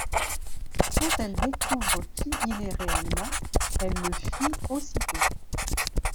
Quand elle découvre qui il est réellement, elle le fuit aussitôt.